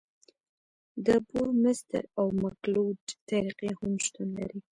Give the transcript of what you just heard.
د بورمستر او مکلوډ طریقې هم شتون لري